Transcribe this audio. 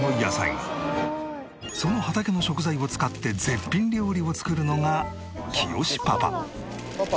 その畑の食材を使って絶品料理を作るのがきよしパパ。